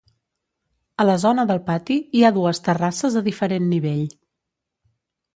A la zona del pati hi ha dues terrasses a diferent nivell.